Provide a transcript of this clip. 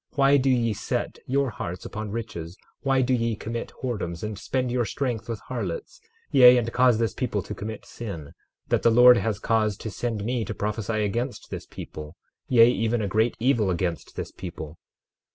Why do ye set your hearts upon riches? Why do ye commit whoredoms and spend your strength with harlots, yea, and cause this people to commit sin, that the Lord has cause to send me to prophesy against this people, yea, even a great evil against this people?